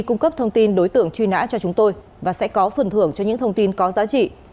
cung cấp thông tin đối tượng truy nã cho chúng tôi và sẽ có phần thưởng cho những thông tin có giá trị